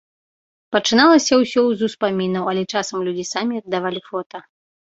Пачыналася ўсё з успамінаў, але часам людзі самі аддавалі фота.